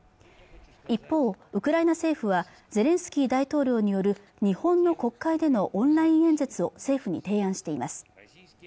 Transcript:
一方ウクライナ政府はゼレンスキー大統領による日本の国会でのオンライン演説を政府に提案しています